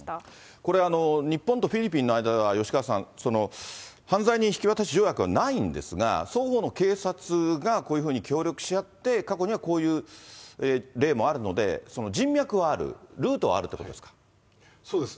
これ、日本とフィリピンの間では吉川さん、犯罪人引き渡し条約はないんですが、双方の警察がこういうふうに協力し合って、過去にはこういう例もあるので、人脈はある、ルートはあるってことですか？